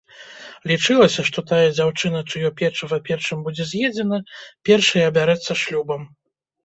Лічылася, што тая дзяўчына, чыё печыва першым будзе з'едзена, першай абярэцца шлюбам.